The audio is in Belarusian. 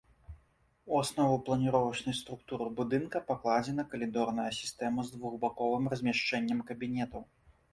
У аснову планіровачнай структуры будынка пакладзена калідорная сістэма з двухбаковым размяшчэннем кабінетаў.